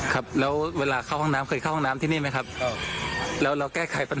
ผล่าของเรือน้ำงานที่ดังมีประสมบัติว่า